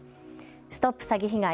ＳＴＯＰ詐欺被害！